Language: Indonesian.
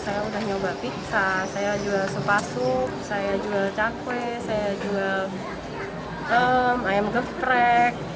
saya udah nyoba pizza saya jual supa sup saya jual cakwe saya jual ayam geprek